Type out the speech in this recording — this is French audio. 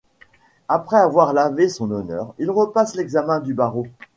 Après avoir lavé son honneur, il repasse l'examen du barreau.